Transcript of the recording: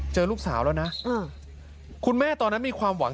เจอลูกสาวแล้วนะคุณแม่ตอนนั้นมีความหวัง